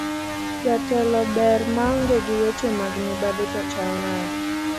Jatelo ber maonge gi weche mag mibadhi to chal nade?